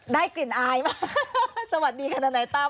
ได้กลิ่นอายมากสวัสดีค่ะทนายตั้ม